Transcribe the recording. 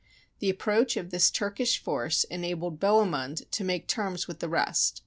The ap proach of this Turkish force enabled Bohemund to make terms with the rest.